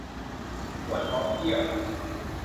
ปวดท้องเยี่ยว